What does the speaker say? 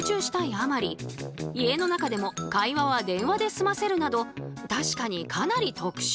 あまり家の中でも会話は電話で済ませるなど確かにかなり特殊。